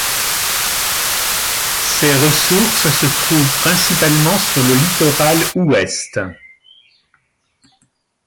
Ces ressources se trouvent principalement sur le littoral ouest.